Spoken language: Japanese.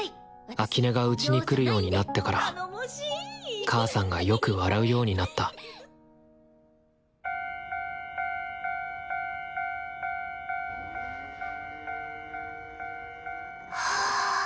秋音がうちに来るようになってから母さんがよく笑うようになったはぁ。